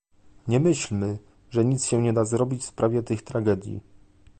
Nie myślmy, że nic się nie da zrobić w sprawie tych tragedii